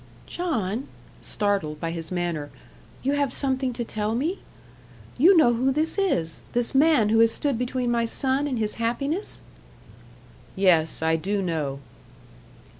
"John," startled by his manner "you have something to tell me? You know who this is this man who has stood between my son and his happiness?" "Yes, I do know."